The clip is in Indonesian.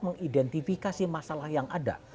mengidentifikasi masalah yang ada